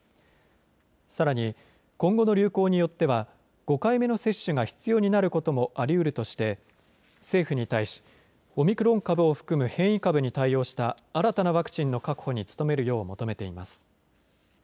さらに今後の流行によっては５回目の接種が必要になることもありうるとして政府に対しオミクロン株を含む変異株に対応した新たなワクチンの確保に努めるよう求めています。